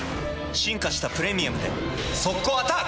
進化した「プレミアム」で速攻アタック！